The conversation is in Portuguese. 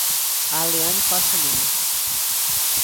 Arleany Costa Lima